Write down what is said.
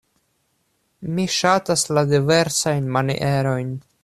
Mi ŝatas la diversajn manierojn.